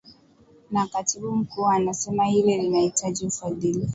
Na katibu mkuu anasema hili linahitaji ufadhili